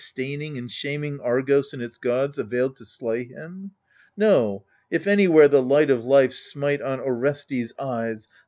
Staining and shaming Argos and its gods, Availed to slay him ? Ho, if anywhere The light of life smite on Orestes' eyes.